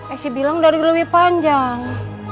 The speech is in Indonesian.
esy bilang dari lebih panjang